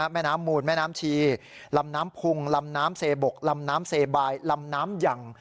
แม่น้ำมูลแม่น้ำชีลำน้ำพุงลำน้ำเซบกลำน้ำเซบายลำน้ำยัง